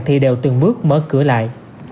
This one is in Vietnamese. thì đều từng bước mở cửa lại